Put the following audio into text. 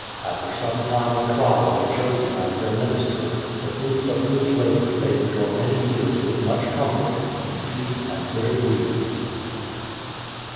After some time of trial they chose him as their minister, the fruits of whose labours they enjoyed many years with much comfort, in peace and good agreement.